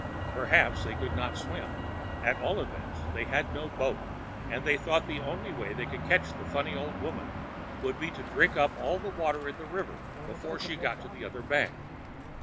Perhaps they could not swim; at all events, they had no boat, and they thought the only way they could catch the funny old woman would be to drink up all the water of the river before she got to the other bank.